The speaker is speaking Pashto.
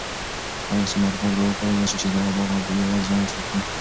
آیا ثمر ګل به وکولای شي چې دا باغ په یوازې ځان وساتي؟